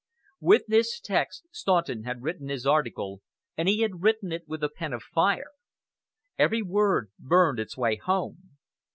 With this text Staunton had written his article, and he had written it with a pen of fire. Every word burned its way home.